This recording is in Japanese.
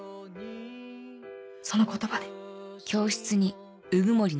その言葉で。